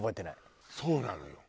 そうなのよ。